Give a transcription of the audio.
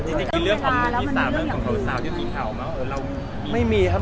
นี่เป็นเรื่องของมือที่สาม